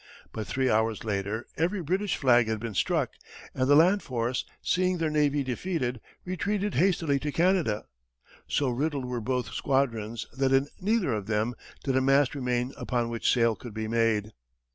But three hours later, every British flag had been struck, and the land force, seeing their navy defeated, retreated hastily to Canada. So riddled were both squadrons that in neither of them did a mast remain upon which sail could be made.